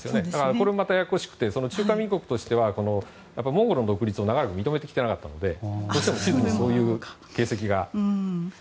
これもややこしくて中華民国としてはモンゴルの独立を長らく認めてきてなかったので地図でそういう形跡が。